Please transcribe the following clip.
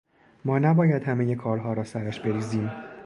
ما نباید همهٔ کارها را سرش بریزیم.